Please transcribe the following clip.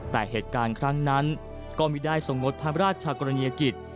แต่เหตุการณ์ครั้งนั้นก็ไม่ได้ทรงงดพระราชกรณียกิจ